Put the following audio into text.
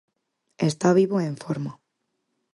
E está vivo e en forma.